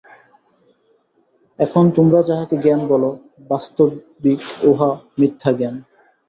এখন তোমরা যাহাকে জ্ঞান বল, বাস্তবিক উহা মিথ্যাজ্ঞান।